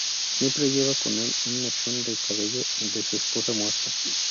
Siempre lleva con el un mechón de cabello de su esposa muerta.